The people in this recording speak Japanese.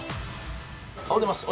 おはようございます。